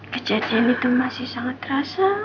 kejadian itu masih sangat terasa